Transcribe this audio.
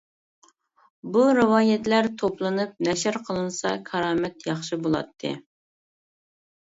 بۇ رىۋايەتلەر توپلىنىپ نەشر قىلىنسا كارامەت ياخشى بولاتتى.